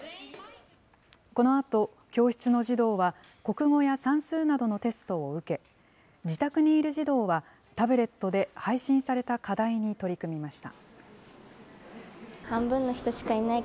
このあと、教室の児童は国語や算数などのテストを受け、自宅にいる児童は、タブレットで配信された課題に取り組みました。